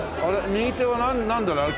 右手はなんだろあれ。